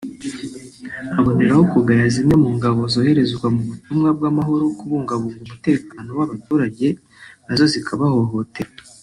aboneraho kugaya zimwe mu ngabo zoherezwa mu butumwa bw’amahoro aho kubungabunga umutekano w’abaturage nazo zikabahohotera